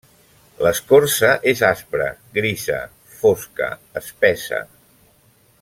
L'escorça és aspra, grisa, fosca, espessa.